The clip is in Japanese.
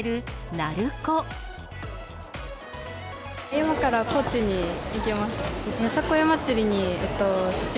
今から高知に行きます。